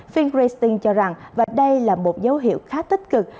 phil grayston cho rằng và đây là một dấu hiệu khá tích cực